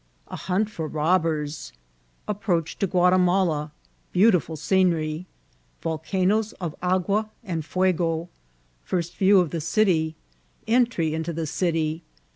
— A Hunt for Rob* ben.— Approach to Guitiuiala.— BeantiM ScoMry.— YolcaiiOM of Agua and Fnego.— First View of the City.— Entry into the City.